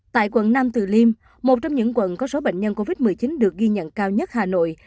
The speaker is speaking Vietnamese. tại quận nam từ liêm một trong những quận có số bệnh nhân covid một mươi chín được ghi nhận cao nhất hà nội